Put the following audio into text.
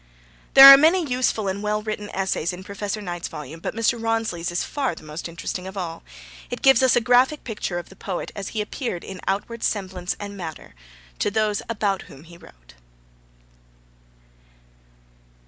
There are many useful and well written essays in Professor Knight's volume, but Mr. Rawnsley's is far the most interesting of all. It gives us a graphic picture of the poet as he appeared in outward semblance and manner to those about whom he wrote.